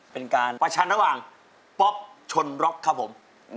เป็นการประชันระหว่างป๊อปชนร็อกครับผม